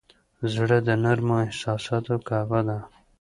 زړه د نرمو احساساتو کعبه ده.